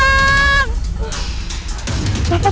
pak pak pak